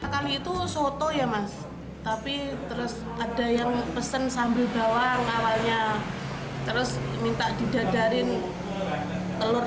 kali itu soto ya mas tapi terus ada yang pesen sambil bawang awalnya terus minta didadarin telur